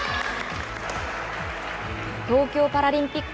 東京パラリンピック